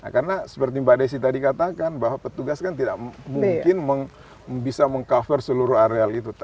karena seperti mbak desy tadi katakan bahwa petugas kan tidak mungkin bisa meng cover seluruh area itu